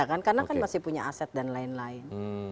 karena kan masih punya aset dan lain lain